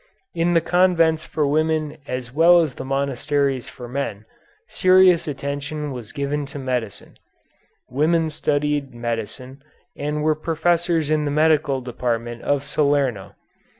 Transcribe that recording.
In the convents for women as well as the monasteries for men serious attention was given to medicine. Women studied medicine and were professors in the medical department of Salerno.